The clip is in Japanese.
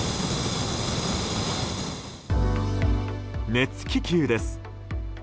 熱気球です。